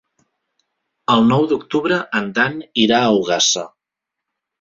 El nou d'octubre en Dan irà a Ogassa.